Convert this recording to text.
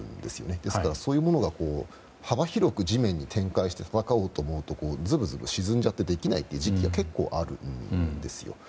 ですからそういうものが幅広く地面に展開して戦うとなるとズブズブ沈んでできない時期が結構あるんですよ。